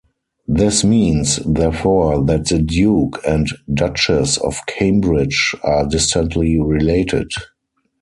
This means therefore that the Duke and Duchess of Cambridge are distantly related.